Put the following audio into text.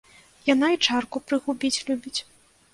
Яна і чарку прыгубіць любіць.